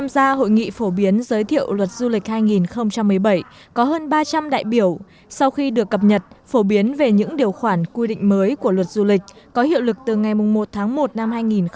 hội nghị phổ biến giới thiệu luật du lịch hai nghìn một mươi bảy có hơn ba trăm linh đại biểu sau khi được cập nhật phổ biến về những điều khoản quy định mới của luật du lịch có hiệu lực từ ngày một tháng một năm hai nghìn một mươi chín